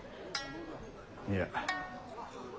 いや。